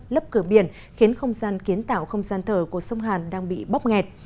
lấp cửa biển khiến không gian kiến tạo không gian thở của sông hàn đang bị bóc nghẹt